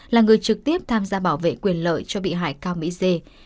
là người trực tiếp tham gia bảo vệ quyền lợi cho bị hại cao mỹ dê